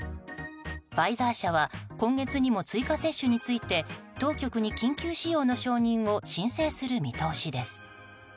ファイザー社は、今月にも追加接種について当局に緊急使用の承認を申請する見通しです。